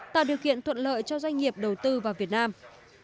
tạo điều kiện thuận lợi cho doanh nghiệp đầu tư vào việt nam